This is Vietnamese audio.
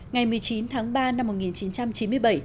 ngày một mươi chín tháng ba năm một nghìn chín trăm chín mươi bảy